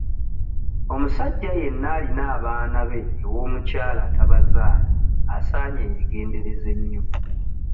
Omusajja yenna alina abaana be ew'omukyala atabazaala asaanye yeegendereze nnyo.